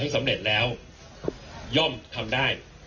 สำเร็จแล้วย่อมทำได้